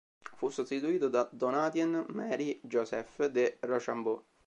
Fu sostituito da Donatien-Marie-Joseph de Rochambeau.